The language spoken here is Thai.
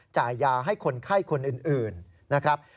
จ่ายยาให้คนไข้คนอื่นนะครับ